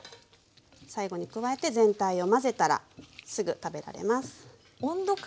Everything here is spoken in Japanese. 最後に加えて全体を混ぜたらすぐ食べられます。